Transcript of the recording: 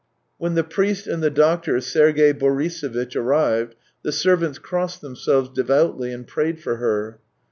When the priest and the doctor, Sergey Boriso vitch, arrived, the servants crossed themselves devoutly and prayed for her.